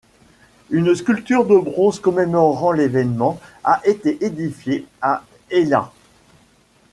Une sculpture de bronze commémorant l'évènement a été édifiée à Eilat.